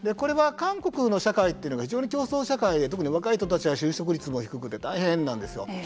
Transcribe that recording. これは韓国の社会というのが非常に競争社会で特に若い人たちは就職率も低くて大変なんですよ。